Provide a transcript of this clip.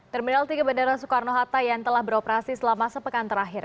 terminal tiga bandara soekarno hatta yang telah beroperasi selama sepekan terakhir